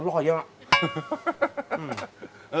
อร่อยเยอะ